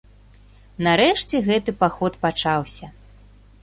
Нарэшце гэты паход пачаўся.